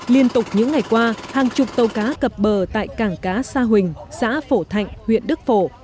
liên tục những ngày qua hàng chục tàu cá cập bờ tại cảng cá sa huỳnh xã phổ thạnh huyện đức phổ